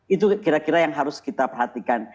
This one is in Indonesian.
itu kira kira yang harus kita perhatikan